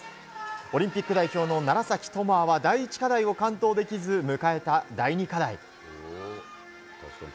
オリンピック代表の楢崎智亜は第１課題を完登できず迎えた第２課題。